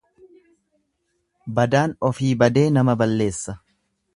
Badaan ofii badee nama balleessa.